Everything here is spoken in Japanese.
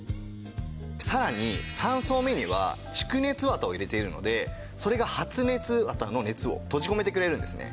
さらに３層目には蓄熱綿を入れているのでそれが発熱綿の熱を閉じ込めてくれるんですね。